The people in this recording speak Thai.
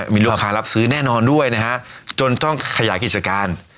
มีลูกค้ารับซื้อแน่นอนด้วยนะฮะจนต้องขยายกิจการ